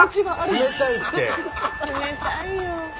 冷たいよ。